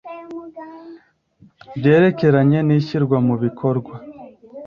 byerekeranye n ishyirwa mu bikorwa